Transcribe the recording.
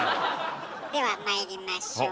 ではまいりましょう。